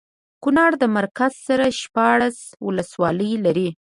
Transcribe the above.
کونړ د مرکز سره شپاړس ولسوالۍ لري